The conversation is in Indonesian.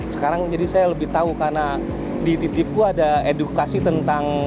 sekarang jadi saya lebih tahu karena di titipku ada edukasi tentang